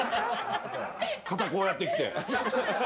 肩こうやってきて。